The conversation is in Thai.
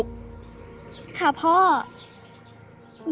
ออกไปเลย